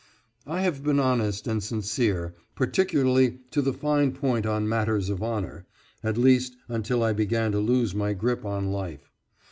I have been honest and sincere, particularly to the fine point on matters of honor, at least until I began to lose my grip on life.